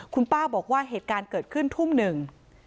คุณป้าบอกว่าเหตุการณ์เกิดขึ้นทุ่มหนึ่ง